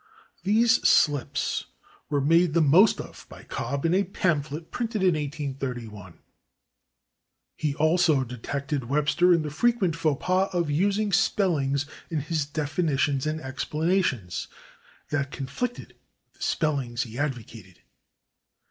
These slips were made the most of by Cobb in a pamphlet printed in 1831. He also detected Webster in the frequent /faux pas/ of using spellings in his definitions and explanations that conflicted with the spellings he advocated.